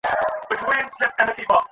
কখনও ওকে প্রশ্ন করিনি।